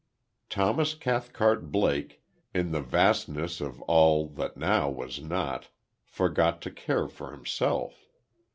Thomas Cathcart Blake, in the vastness of all that now was not, forgot to care for himself.